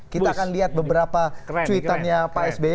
kita akan lihat beberapa tweet annya pak sby